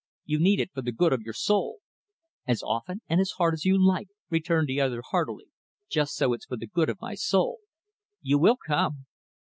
You need it for the good of your soul." "As often and as hard as you like" returned the other, heartily "just so it's for the good of my soul. You will come?"